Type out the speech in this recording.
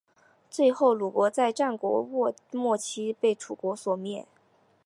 最后鲁国在战国末期被楚国所灭。